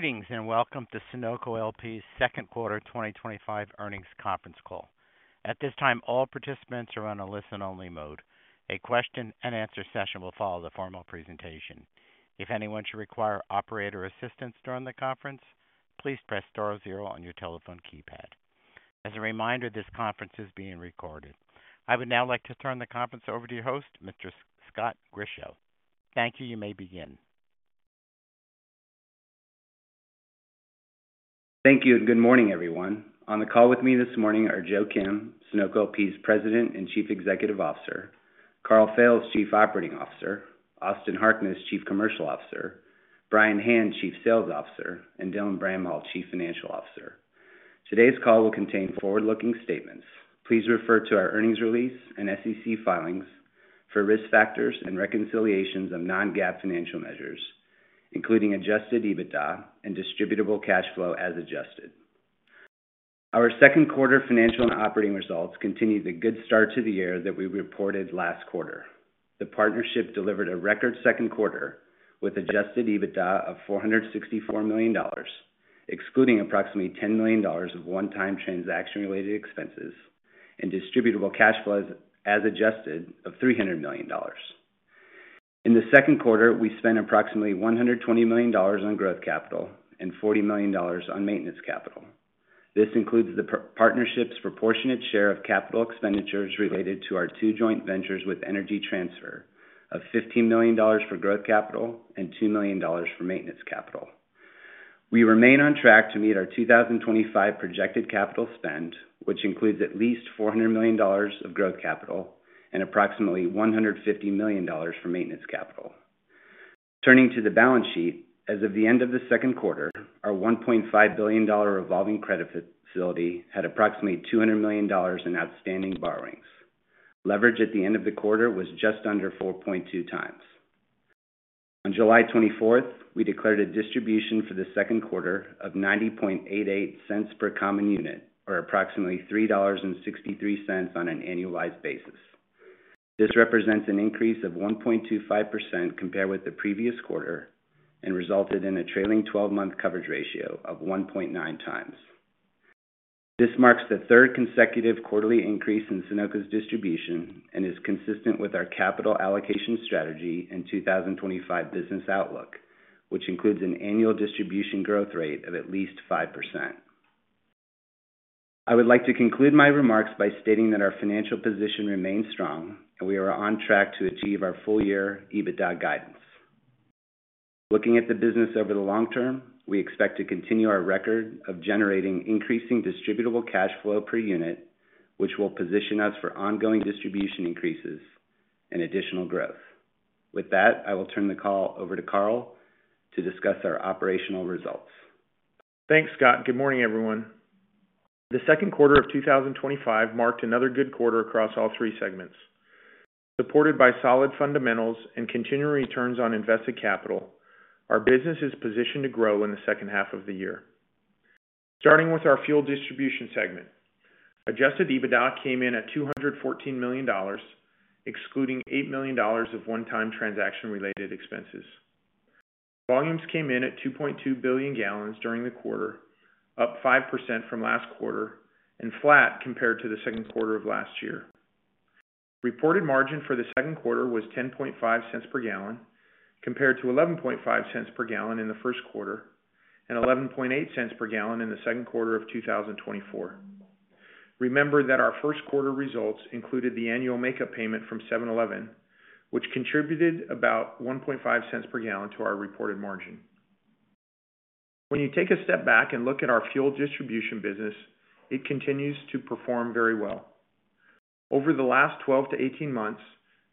Greetings and welcome to Sunoco LP's Second Quarter 2025 Earnings Conference Call. At this time, all participants are on a listen-only mode. A question-and-answer session will follow the formal presentation. If anyone should require operator assistance during the conference, please press star zero on your telephone keypad. As a reminder, this conference is being recorded. I would now like to turn the conference over to your host, Mr. Scott Grischow. Thank you. You may begin. Thank you and good morning, everyone. On the call with me this morning are Joe Kim, Sunoco LP's President and Chief Executive Officer, Karl Fails, Chief Operating Officer, Austin Harkness, Chief Commercial Officer, Brian Hand, Chief Sales Officer, and Dylan Bramhall, Chief Financial Officer. Today's call will contain forward-looking statements. Please refer to our earnings release and SEC filings for risk factors and reconciliations of non-GAAP financial measures, including adjusted EBITDA and distributable cash flow as adjusted. Our second quarter financial and operating results continue the good start to the year that we reported last quarter. The partnership delivered a record second quarter with adjusted EBITDA of $464 million, excluding approximately $10 million of one-time transaction-related expenses, and distributable cash flow as adjusted of $300 million. In the second quarter, we spent approximately $120 million on growth capital and $40 million on maintenance capital. This includes the partnership's proportionate share of capital expenditures related to our two joint ventures with Energy Transfer of $15 million for growth capital and $2 million for maintenance capital. We remain on track to meet our 2025 projected capital spend, which includes at least $400 million of growth capital and approximately $150 million for maintenance capital. Turning to the balance sheet, as of the end of the second quarter, our $1.5 billion revolving credit facility had approximately $200 million in outstanding borrowings. Leverage at the end of the quarter was just under 4.2x. On July 24th, we declared a distribution for the second quarter of $0.9088 per common unit, or approximately $3.63 on an annualized basis. This represents an increase of 1.25% compared with the previous quarter and resulted in a trailing 12-month coverage ratio of 1.9x. This marks the third consecutive quarterly increase in Sunoco's distribution and is consistent with our capital allocation strategy and 2025 business outlook, which includes an annual distribution growth rate of at least 5%. I would like to conclude my remarks by stating that our financial position remains strong and we are on track to achieve our full-year EBITDA guidance. Looking at the business over the long term, we expect to continue our record of generating increasing distributable cash flow per unit, which will position us for ongoing distribution increases and additional growth. With that, I will turn the call over to Karl to discuss our operational results. Thanks, Scott. Good morning, everyone. The second quarter of 2025 marked another good quarter across all three segments. Supported by solid fundamentals and continuing returns on invested capital, our business is positioned to grow in the second half of the year. Starting with our fuel distribution segment, adjusted EBITDA came in at $214 million, excluding $8 million of one-time transaction-related expenses. Volumes came in at 2.2 billion gal during the quarter, up 5% from last quarter and flat compared to the second quarter of last year. Reported margin for the second quarter was $0.105 per gallon, compared to $0.115 per gallon in the first quarter and $0.118 per gallon in the second quarter of 2024. Remember that our first quarter results included the annual makeup payment from 7-Eleven, which contributed about $0.015 per gallon to our reported margin. When you take a step back and look at our fuel distribution business, it continues to perform very well. Over the last 12-18 months,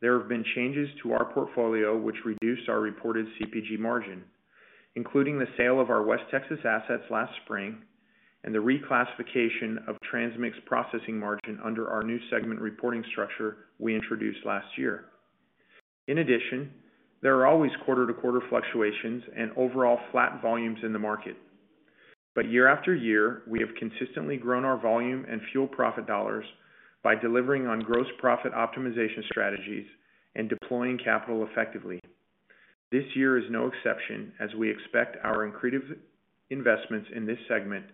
there have been changes to our portfolio which reduced our reported CPG margin, including the sale of our West Texas assets last spring and the reclassification of transmix processing margin under our new segment reporting structure we introduced last year. In addition, there are always quarter-to-quarter fluctuations and overall flat volumes in the market. Year after year, we have consistently grown our volume and fuel profit dollars by delivering on gross profit optimization strategies and deploying capital effectively. This year is no exception as we expect our increased investments in this segment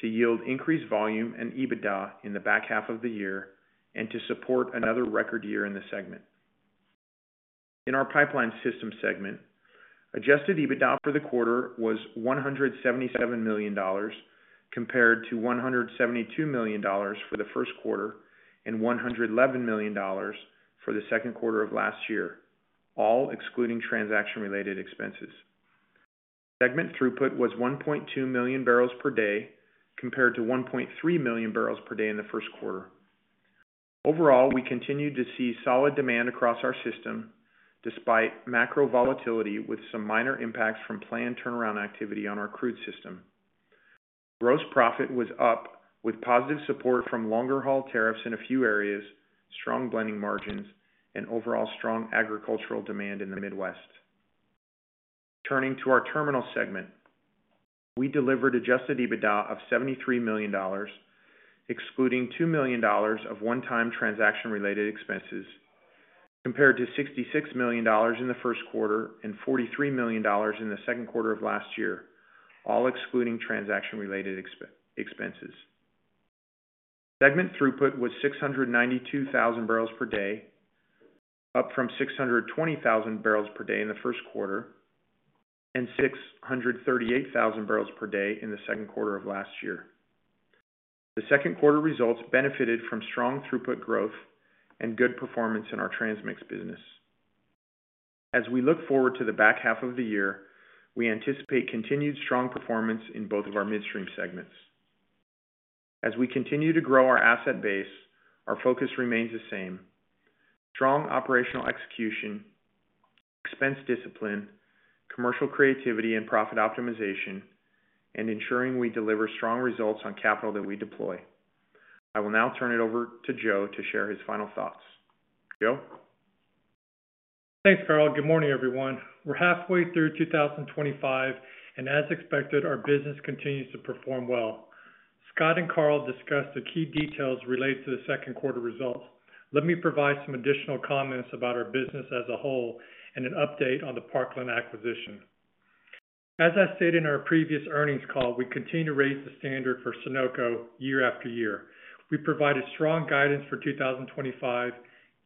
to yield increased volume and EBITDA in the back half of the year and to support another record year in the segment. In our pipeline systems segment, adjusted EBITDA for the quarter was $177 million, compared to $172 million for the first quarter and $111 million for the second quarter of last year, all excluding transaction-related expenses. Segment throughput was 1.2 million bbl per day, compared to 1.3 million bbl per day in the first quarter. Overall, we continued to see solid demand across our system despite macro volatility with some minor impacts from planned turnaround activity on our crude system. Gross profit was up with positive support from longer-haul tariffs in a few areas, strong blending margins, and overall strong agricultural demand in the Midwest. Turning to our terminal segment, we delivered adjusted EBITDA of $73 million, excluding $2 million of one-time transaction-related expenses, compared to $66 million in the first quarter and $43 million in the second quarter of last year, all excluding transaction-related expenses. Segment throughput was 692,000 bbl per day, up from 620,000 bbl per day in the first quarter and 638,000 bbl per day in the second quarter of last year. The second quarter results benefited from strong throughput growth and good performance in our transmix business. As we look forward to the back half of the year, we anticipate continued strong performance in both of our midstream segments. As we continue to grow our asset base, our focus remains the same: strong operational execution, expense discipline, commercial creativity, and profit optimization, and ensuring we deliver strong results on capital that we deploy. I will now turn it over to Joe to share his final thoughts. Joe? Thanks, Karl. Good morning, everyone. We're halfway through 2025, and as expected, our business continues to perform well. Scott and Karl discussed the key details related to the second quarter results. Let me provide some additional comments about our business as a whole and an update on the Parkland acquisition. As I stated in our previous earnings call, we continue to raise the standard for Sunoco year after year. We provided strong guidance for 2025.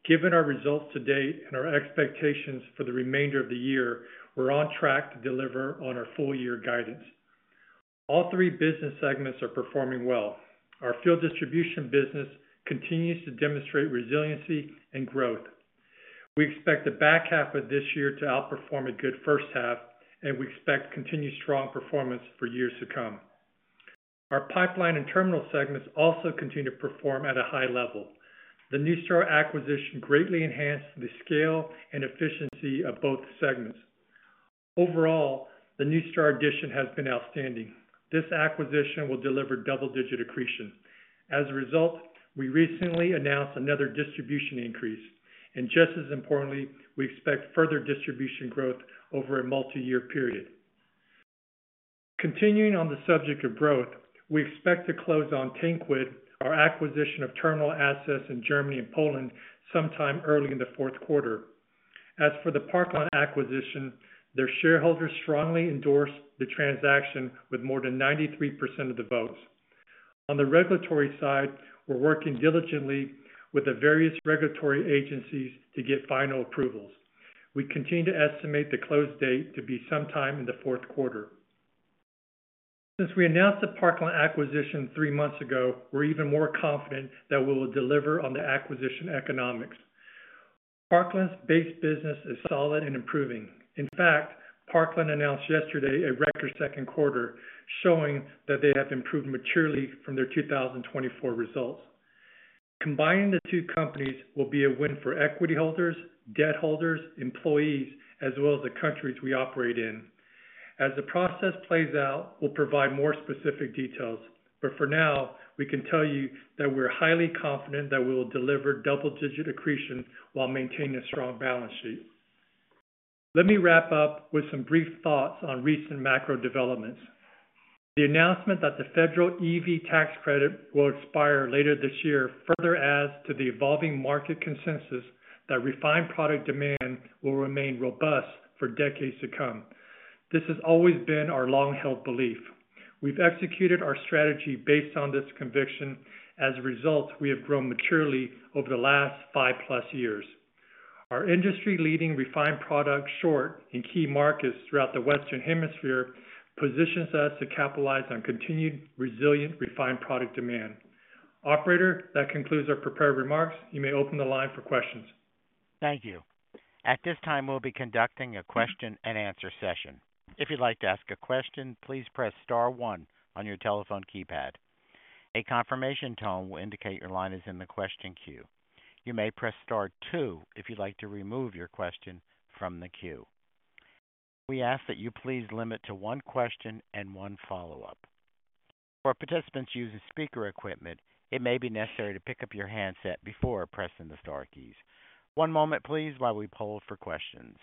Given our results to date and our expectations for the remainder of the year, we're on track to deliver on our full-year guidance. All three business segments are performing well. Our fuel distribution business continues to demonstrate resiliency and growth. We expect the back half of this year to outperform a good first half, and we expect continued strong performance for years to come. Our pipeline and terminal segments also continue to perform at a high level. The NuStar acquisition greatly enhanced the scale and efficiency of both segments. Overall, the NuStar addition has been outstanding. This acquisition will deliver double-digit accretion. As a result, we recently announced another distribution increase, and just as importantly, we expect further distribution growth over a multi-year period. Continuing on the subject of growth, we expect to close on TinQuid, our acquisition of terminal assets in Germany and Poland sometime early in the fourth quarter. As for the Parkland acquisition, their shareholders strongly endorse the transaction with more than 93% of the votes. On the regulatory side, we're working diligently with the various regulatory agencies to get final approvals. We continue to estimate the close date to be sometime in the fourth quarter. Since we announced the Parkland acquisition three months ago, we're even more confident that we will deliver on the acquisition economics. Parkland's base business is solid and improving. In fact, Parkland announced yesterday a record second quarter, showing that they have improved materially from their 2024 results. Combining the two companies will be a win for equity holders, debt holders, employees, as well as the countries we operate in. As the process plays out, we'll provide more specific details, but for now, we can tell you that we're highly confident that we will deliver double-digit accretion while maintaining a strong balance sheet. Let me wrap up with some brief thoughts on recent macro developments. The announcement that the federal EV tax credit will expire later this year further adds to the evolving market consensus that refined product demand will remain robust for decades to come. This has always been our long-held belief. We've executed our strategy based on this conviction. As a result, we have grown materially over the last 5+ years. Our industry-leading refined product short in key markets throughout the Western Hemisphere positions us to capitalize on continued resilient refined product demand. Operator, that concludes our prepared remarks. You may open the line for questions. Thank you. At this time, we'll be conducting a question and answer session. If you'd like to ask a question, please press star one on your telephone keypad. A confirmation tone will indicate your line is in the question queue. You may press star two if you'd like to remove your question from the queue. We ask that you please limit to one question and one follow-up. For participants using speaker equipment, it may be necessary to pick up your handset before pressing the star keys. One moment, please, while we poll for questions.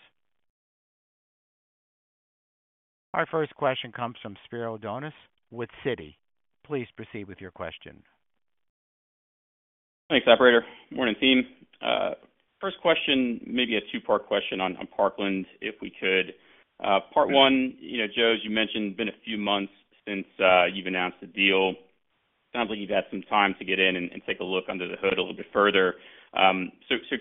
Our first question comes from Spiro Dounis with Citi. Please proceed with your question. Thanks, Operator. Morning, team. First question, maybe a two-part question on Parkland, if we could. Part one, you know, Joe, as you mentioned, it's been a few months since you've announced the deal. Sounds like you've had some time to get in and take a look under the hood a little bit further.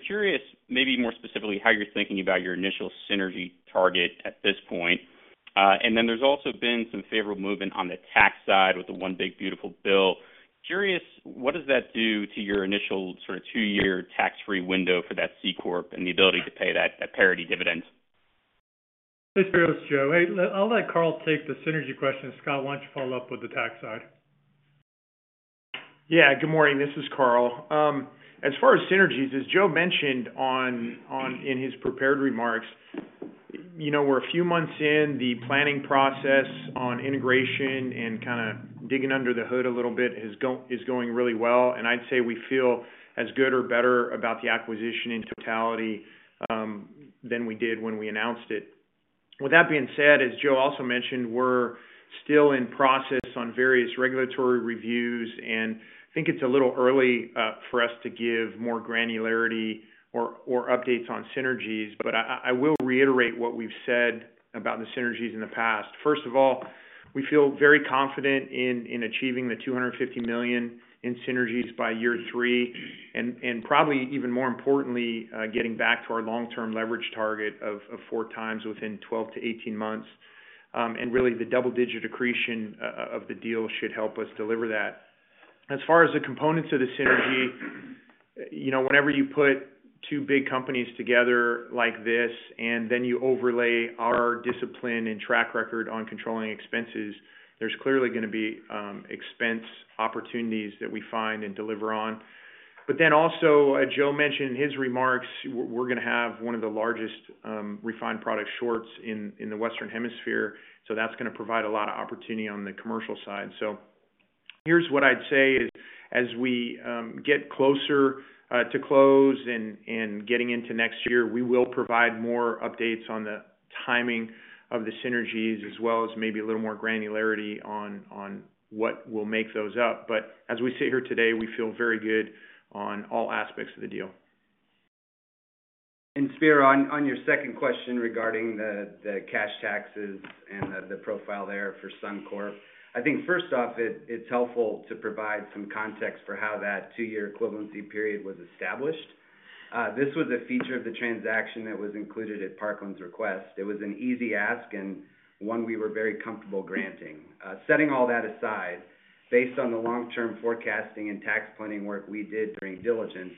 Curious, maybe more specifically, how you're thinking about your initial synergy target at this point. There's also been some favorable movement on the tax side with the One Big Beautiful Bill. Curious, what does that do to your initial sort of two-year tax-free window for that C Corp and the ability to pay that parity dividend? Thanks for asking, Joe. I'll let Karl take the synergy question. Scott, why don't you follow up with the tax side? Yeah, good morning. This is Karl. As far as synergies, as Joe mentioned in his prepared remarks, we're a few months in. The planning process on integration and kind of digging under the hood a little bit is going really well. I'd say we feel as good or better about the acquisition in totality than we did when we announced it. With that being said, as Joe also mentioned, we're still in process on various regulatory reviews, and I think it's a little early for us to give more granularity or updates on synergies, but I will reiterate what we've said about the synergies in the past. First of all, we feel very confident in achieving the $250 million in synergies by year three, and probably even more importantly, getting back to our long-term leverage target of four times within 12-18 months. Really, the double-digit accretion of the deal should help us deliver that. As far as the components of the synergy, whenever you put two big companies together like this, and then you overlay our discipline and track record on controlling expenses, there's clearly going to be expense opportunities that we find and deliver on. Also, as Joe mentioned in his remarks, we're going to have one of the largest refined product shorts in the Western Hemisphere. That's going to provide a lot of opportunity on the commercial side. Here's what I'd say: as we get closer to close and getting into next year, we will provide more updates on the timing of the synergies, as well as maybe a little more granularity on what will make those up. As we sit here today, we feel very good on all aspects of the deal. Spiro, on your second question regarding the cash taxes and the profile there for Sunoco LP, I think first off, it's helpful to provide some context for how that two-year equivalency period was established. This was a feature of the transaction that was included at Parkland's request. It was an easy ask and one we were very comfortable granting. Setting all that aside, based on the long-term forecasting and tax planning work we did during diligence,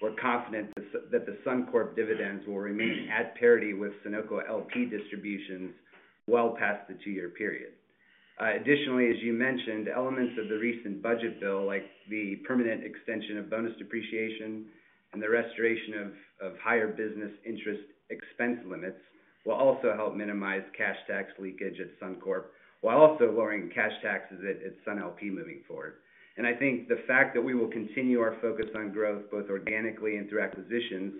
we're confident that the Sunoco LP dividends will remain at parity with Sunoco LP distributions well past the two-year period. Additionally, as you mentioned, elements of the recent budget bill, like the permanent extension of bonus depreciation and the restoration of higher business interest expense limits, will also help minimize cash tax leakage at Sunoco LP, while also lowering cash taxes at Sunoco LP moving forward. I think the fact that we will continue our focus on growth, both organically and through acquisitions,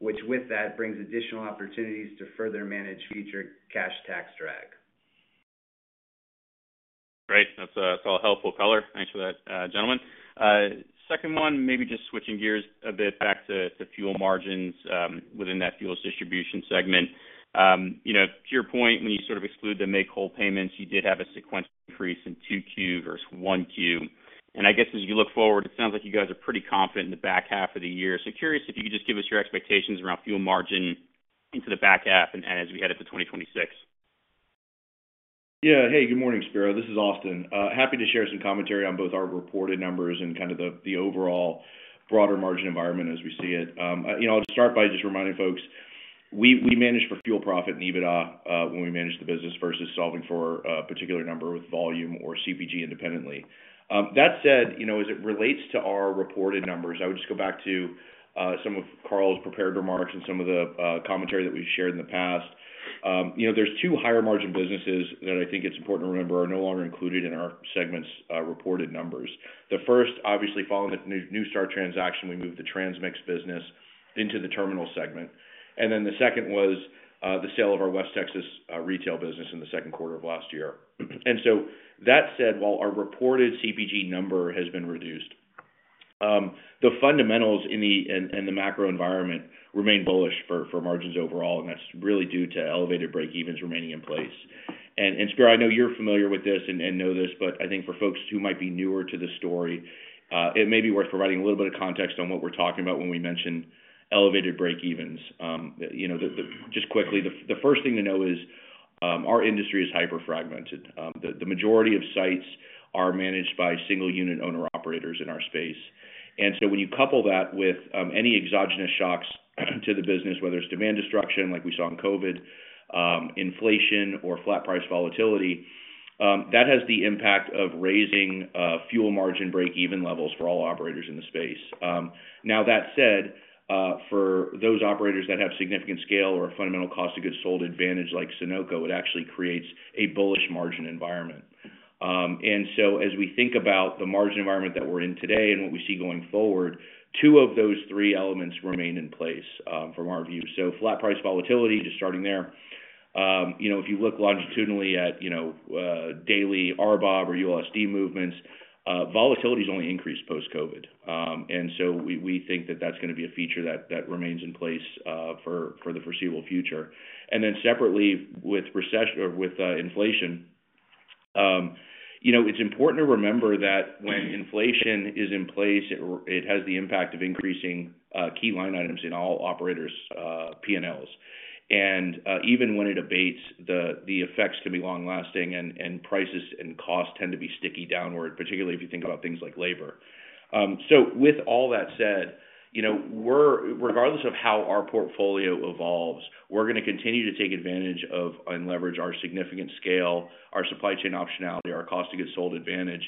brings additional opportunities to further manage future cash tax drag. Great. That's all helpful, Karl. Thanks for that, gentlemen. Second one, maybe just switching gears a bit back to fuel margins within that fuel distribution segment. You know, to your point, when you sort of exclude the make-whole payments, you did have a sequential increase in 2Q versus 1Q. I guess as you look forward, it sounds like you guys are pretty confident in the back half of the year. Curious if you could just give us your expectations around fuel margin into the back half and as we head into 2026. Yeah. Hey, good morning, Spiro. This is Austin. Happy to share some commentary on both our reported numbers and kind of the overall broader margin environment as we see it. I'll start by just reminding folks, we manage for fuel profit and EBITDA when we manage the business versus solving for a particular number with volume or CPG independently. That said, as it relates to our reported numbers, I would just go back to some of Karl's prepared remarks and some of the commentary that we've shared in the past. There are two higher margin businesses that I think it's important to remember are no longer included in our segment's reported numbers. The first, obviously, following the NuStar transaction, we moved the transmix business into the terminal segment. The second was the sale of our West Texas retail business in the second quarter of last year. That said, while our reported CPG number has been reduced, the fundamentals in the macro environment remain bullish for margins overall, and that's really due to elevated breakevens remaining in place. Spiro, I know you're familiar with this and know this, but I think for folks who might be newer to the story, it may be worth providing a little bit of context on what we're talking about when we mention elevated breakevens. Just quickly, the first thing to know is our industry is hyper-fragmented. The majority of sites are managed by single-unit owner-operators in our space. When you couple that with any exogenous shocks to the business, whether it's demand destruction, like we saw in COVID, inflation, or flat price volatility, that has the impact of raising fuel margin breakeven levels for all operators in the space. For those operators that have significant scale or a fundamental cost of goods sold advantage like Sunoco LP, it actually creates a bullish margin environment. As we think about the margin environment that we're in today and what we see going forward, two of those three elements remain in place from our view. Flat price volatility, just starting there. If you look longitudinally at daily RBOB or ULSD movements, volatility has only increased post-COVID. We think that that's going to be a feature that remains in place for the foreseeable future. Separately, with recession or with inflation, it's important to remember that when inflation is in place, it has the impact of increasing key line items in all operators' P&Ls. Even when it abates, the effects can be long-lasting, and prices and costs tend to be sticky downward, particularly if you think about things like labor. With all that said, regardless of how our portfolio evolves, we're going to continue to take advantage of and leverage our significant scale, our supply chain optionality, and our cost of goods sold advantage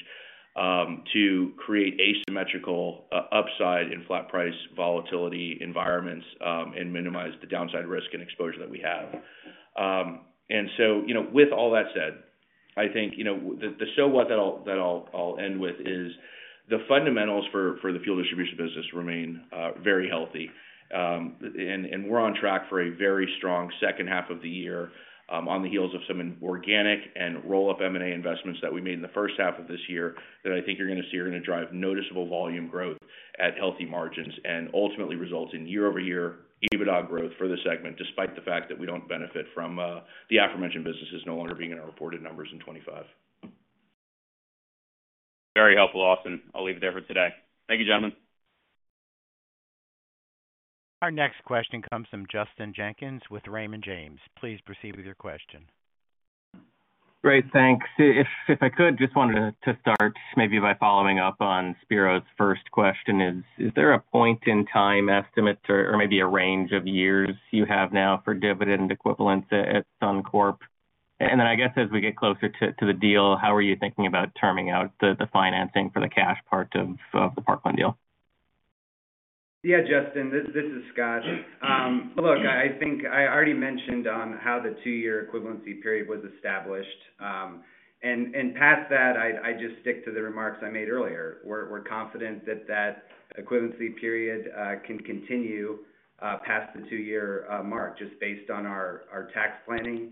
to create asymmetrical upside in flat price volatility environments and minimize the downside risk and exposure that we have. With all that said, I think the so what that I'll end with is the fundamentals for the fuel distribution business remain very healthy. We're on track for a very strong second half of the year on the heels of some organic and roll-up M&A investments that we made in the first half of this year that I think you're going to see are going to drive noticeable volume growth at healthy margins and ultimately result in year-over-year EBITDA growth for the segment, despite the fact that we don't benefit from the aforementioned businesses no longer being in our reported numbers in 2025. Very helpful, Austin. I'll leave it there for today. Thank you, gentlemen. Our next question comes from Justin Jenkins with Raymond James. Please proceed with your question. Great, thanks. If I could, just wanted to start maybe by following up on Spiro's first question, is there a point in time estimate or maybe a range of years you have now for dividend equivalents at Sunoco? As we get closer to the deal, how are you thinking about turning out the financing for the cash part of the Parkland deal? Yeah, Justin, this is Scott. I think I already mentioned how the two-year equivalency period was established. Past that, I'd just stick to the remarks I made earlier. We're confident that that equivalency period can continue past the two-year mark just based on our tax planning,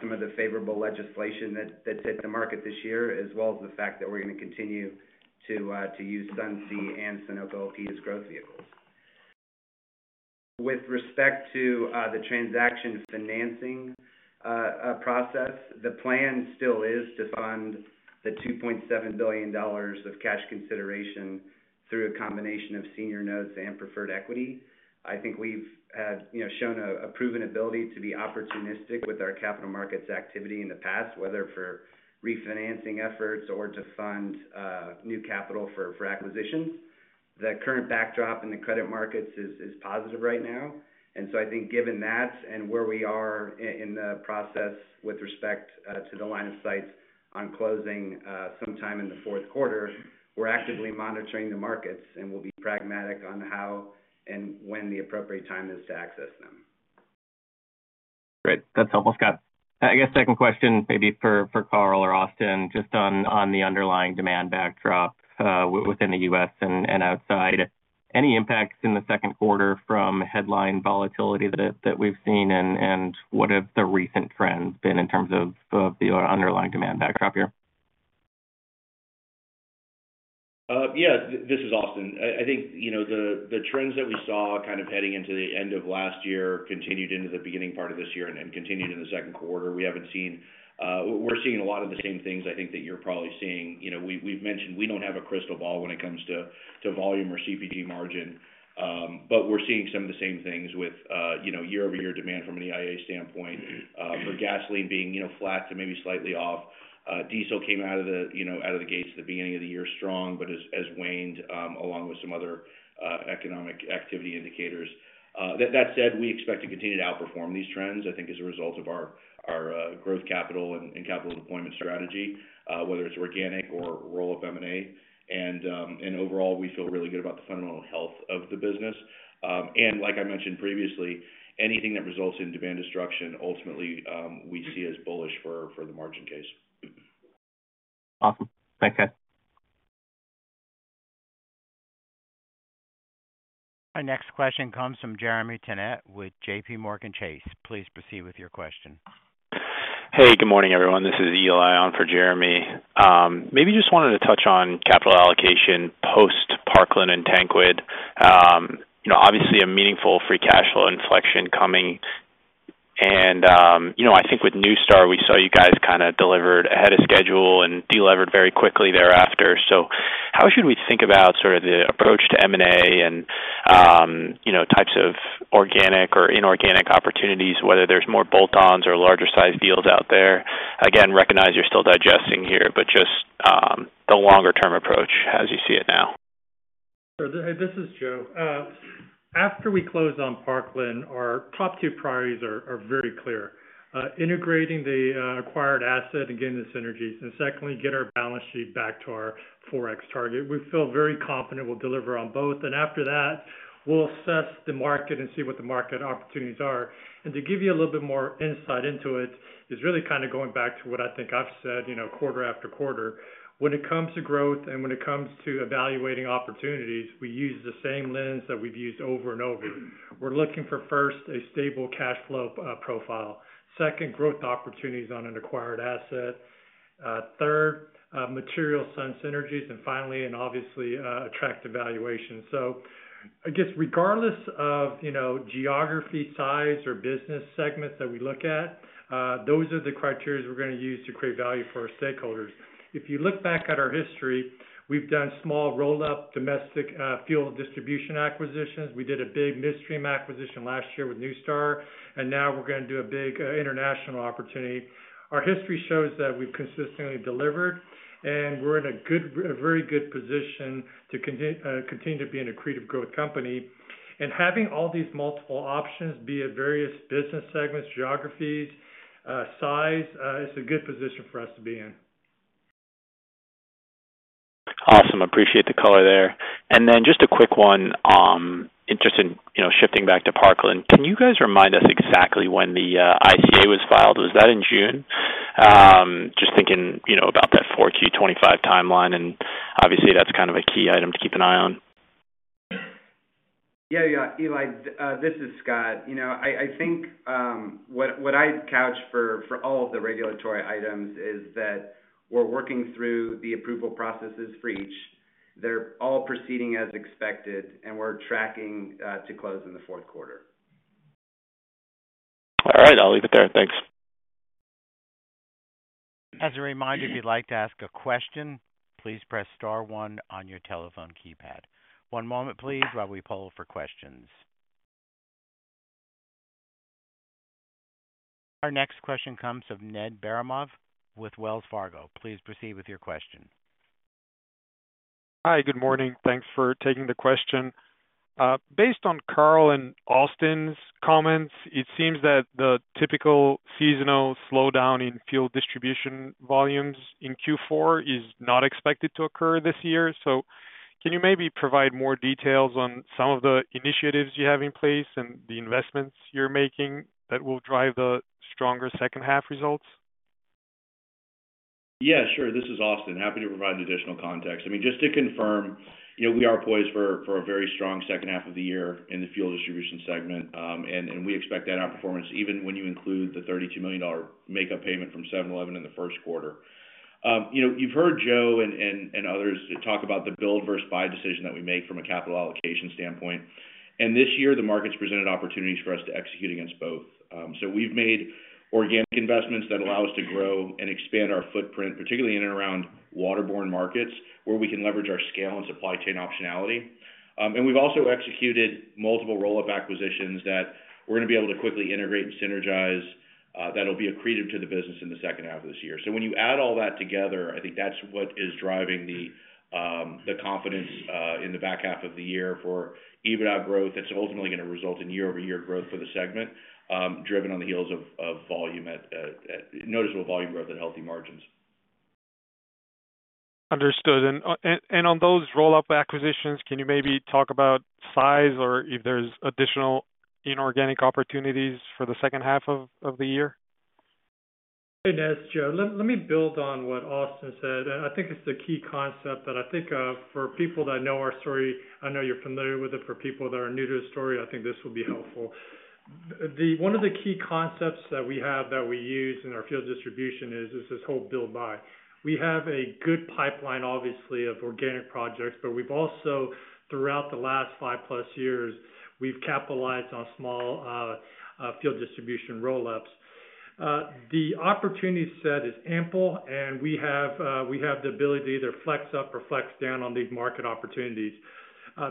some of the favorable legislation that's hit the market this year, as well as the fact that we're going to continue to use Sunoco LP as growth vehicles. With respect to the transaction financing process, the plan still is to fund the $2.7 billion of cash consideration through a combination of senior notes and preferred equity. I think we've shown a proven ability to be opportunistic with our capital markets activity in the past, whether for refinancing efforts or to fund new capital for acquisitions. The current backdrop in the credit markets is positive right now. I think given that and where we are in the process with respect to the line of sights on closing sometime in the fourth quarter, we're actively monitoring the markets and will be pragmatic on how and when the appropriate time is to access them. Great. That's helpful, Scott. I guess second question maybe for Karl or Austin, just on the underlying demand backdrop within the U.S. and outside. Any impacts in the second quarter from headline volatility that we've seen, and what have the recent trends been in terms of the underlying demand backdrop here? Yeah, this is Austin. I think the trends that we saw heading into the end of last year continued into the beginning part of this year and continued in the second quarter. We haven't seen, we're seeing a lot of the same things I think that you're probably seeing. We've mentioned we don't have a crystal ball when it comes to volume or CPG margin, but we're seeing some of the same things with year-over-year demand from an EIA standpoint. For gasoline being flat to maybe slightly off, diesel came out of the gates at the beginning of the year strong, but has waned along with some other economic activity indicators. That said, we expect to continue to outperform these trends, I think, as a result of our growth capital and capital deployment strategy, whether it's organic or roll-up M&A. Overall, we feel really good about the fundamental health of the business. Like I mentioned previously, anything that results in demand destruction, ultimately, we see as bullish for the margin case. Awesome. Thanks, guys. Our next question comes from Jeremy Tennet with JPMorgan Chase. Please proceed with your question. Hey, good morning, everyone. This is Elias Max Jossen on for Jeremy. Maybe just wanted to touch on capital allocation post-Parkland Corporation and TinQuid. Obviously, a meaningful free cash flow inflection coming. I think with NuStar, we saw you guys kind of delivered ahead of schedule and delivered very quickly thereafter. How should we think about sort of the approach to M&A and types of organic or inorganic opportunities, whether there's more bolt-ons or larger size deals out there? Again, recognize you're still digesting here, but just the longer-term approach as you see it now. Hey, this is Joe. After we close on Parkland, our top two priorities are very clear: integrating the acquired asset and getting the synergies, and secondly, get our balance sheet back to our 4X target. We feel very confident we'll deliver on both. After that, we'll assess the market and see what the market opportunities are. To give you a little bit more insight into it is really kind of going back to what I think I've said, you know, quarter after quarter. When it comes to growth and when it comes to evaluating opportunities, we use the same lens that we've used over and over. We're looking for, first, a stable cash flow profile. Second, growth opportunities on an acquired asset. Third, material Sun synergies, and finally, and obviously, attractive valuation. I guess regardless of, you know, geography, size, or business segments that we look at, those are the criteria we're going to use to create value for our stakeholders. If you look back at our history, we've done small roll-up domestic fuel distribution acquisitions. We did a big midstream acquisition last year with NuStar, and now we're going to do a big international opportunity. Our history shows that we've consistently delivered, and we're in a very good position to continue to be an accretive growth company. Having all these multiple options, be it various business segments, geographies, size, it's a good position for us to be in. Awesome. Appreciate the color there. Just a quick one, interested in shifting back to Parkland. Can you guys remind us exactly when the ICA was filed? Was that in June? Just thinking about that 4Q2025 timeline, and obviously that's kind of a key item to keep an eye on. Yeah, Eli, this is Scott. I think what I'd couch for all of the regulatory items is that we're working through the approval processes for each. They're all proceeding as expected, and we're tracking to close in the fourth quarter. All right, I'll leave it there. Thanks. As a reminder, if you'd like to ask a question, please press star one on your telephone keypad. One moment, please, while we poll for questions. Our next question comes from Ned Baramov with Wells Fargo. Please proceed with your question. Hi, good morning. Thanks for taking the question. Based on Karl and Austin's comments, it seems that the typical seasonal slowdown in fuel distribution volumes in Q4 is not expected to occur this year. Can you maybe provide more details on some of the initiatives you have in place and the investments you're making that will drive the stronger second half results? Yeah, sure. This is Austin. Happy to provide additional context. I mean, just to confirm, you know, we are poised for a very strong second half of the year in the fuel distribution segment, and we expect that outperformance even when you include the $32 million makeup payment from 7-Eleven in the first quarter. You know, you've heard Joe and others talk about the build versus buy decision that we make from a capital allocation standpoint. This year, the markets presented opportunities for us to execute against both. We've made organic investments that allow us to grow and expand our footprint, particularly in and around waterborne markets where we can leverage our scale and supply chain optionality. We've also executed multiple roll-up acquisitions that we're going to be able to quickly integrate and synergize that'll be accretive to the business in the second half of this year. When you add all that together, I think that's what is driving the confidence in the back half of the year for EBITDA growth that's ultimately going to result in year-over-year growth for the segment, driven on the heels of noticeable volume growth and healthy margins. Understood. On those roll-up acquisitions, can you maybe talk about size or if there's additional inorganic opportunities for the second half of the year? Ned, it's Joe. Let me build on what Austin said. I think it's a key concept that for people that know our story, I know you're familiar with it. For people that are new to the story, I think this will be helpful. One of the key concepts that we have that we use in our fuel distribution is this whole build-buy. We have a good pipeline, obviously, of organic projects, but we've also, throughout the last 5+ years, capitalized on small fuel distribution roll-ups. The opportunity set is ample and we have the ability to either flex up or flex down on these market opportunities.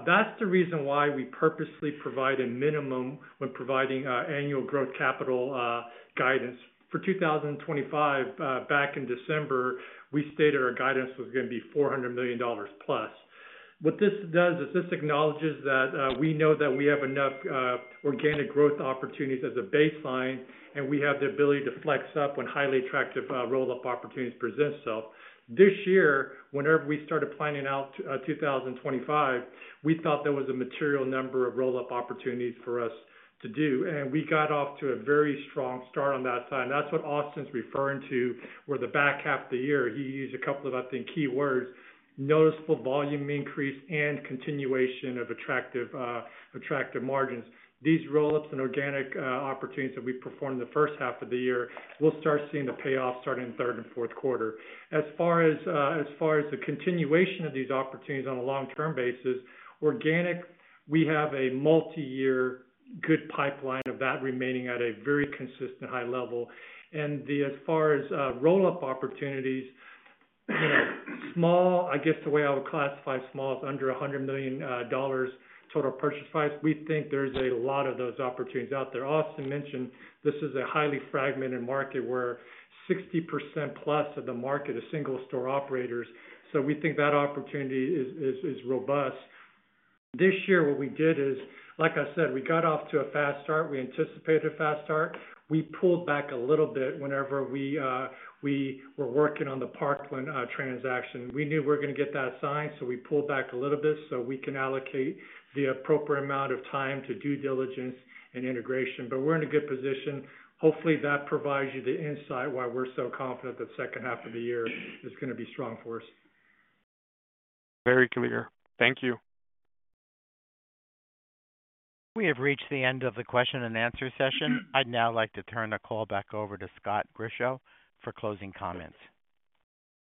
That's the reason why we purposely provide a minimum when providing annual growth capital guidance. For 2025, back in December, we stated our guidance was going to be $400 million+. What this does is this acknowledges that we know that we have enough organic growth opportunities as a baseline and we have the ability to flex up when highly attractive roll-up opportunities present itself. This year, whenever we started planning out 2025, we thought there was a material number of roll-up opportunities for us to do. We got off to a very strong start on that side. That's what Austin's referring to, where the back half of the year, he used a couple of, I think, key words: noticeable volume increase and continuation of attractive margins. These roll-ups and organic opportunities that we performed in the first half of the year, we'll start seeing the payoff starting in the third and fourth quarter. As far as the continuation of these opportunities on a long-term basis, organic, we have a multi-year good pipeline of that remaining at a very consistent high level. As far as roll-up opportunities, small, I guess the way I would classify small is under $100 million total purchase price. We think there's a lot of those opportunities out there. Austin mentioned this is a highly fragmented market where 60% plus of the market is single-store operators. We think that opportunity is robust. This year, what we did is, like I said, we got off to a fast start. We anticipated a fast start. We pulled back a little bit whenever we were working on the Parkland transaction. We knew we were going to get that signed, so we pulled back a little bit so we can allocate the appropriate amount of time to due diligence and integration. We're in a good position. Hopefully, that provides you the insight why we're so confident that the second half of the year is going to be strong for us. Very clear. Thank you. We have reached the end of the question and answer session. I'd now like to turn the call back over to Scott Grischow for closing comments.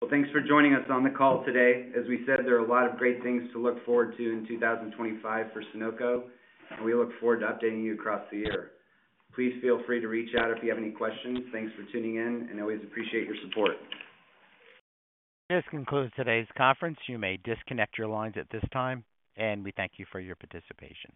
Thank you for joining us on the call today. As we said, there are a lot of great things to look forward to in 2025 for Sunoco, and we look forward to updating you across the year. Please feel free to reach out if you have any questions. Thank you for tuning in, and I always appreciate your support. This concludes today's conference. You may disconnect your lines at this time, and we thank you for your participation.